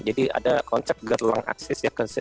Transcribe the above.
jadi ada konsep gerlang aksis ya